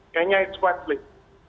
sepertinya itu white flip